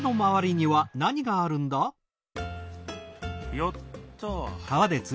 よっと！